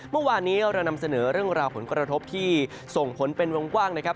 เมื่อวานนี้เรานำเสนอเรื่องราวผลกระทบที่ส่งผลเป็นวงกว้างนะครับ